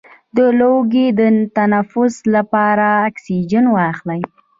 د لوګي د تنفس لپاره اکسیجن واخلئ